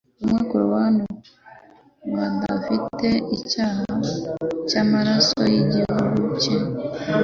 Bamwe Cromwell pe badafite icyaha cyamaraso yigihugu cye.